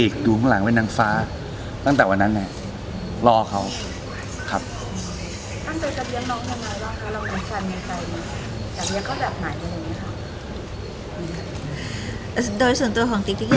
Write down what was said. ก็เลยสัก